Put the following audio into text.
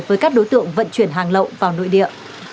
với các đối tượng vận chuyển hàng lậu vào nội địa